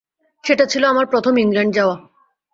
সেটা ছিল আমার প্রথম ইংল্যান্ড যাওয়া।